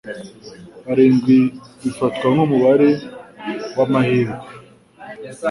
Birindwi bifatwa nkumubare wamahirwe.